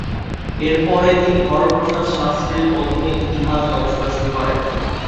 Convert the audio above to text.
এরপরে তিনি হরপ্রসাদ শাস্ত্রীর অধীনে ইতিহাস গবেষণা শুরু করেন।